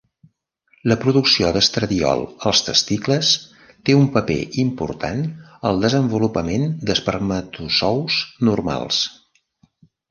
La producció d'estradiol als testicles té un paper important al desenvolupament d'espermatozous normals.